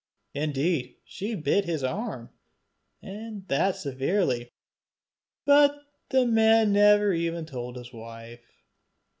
Indeed she bit his arm, and that severely, but the man never even told his wife.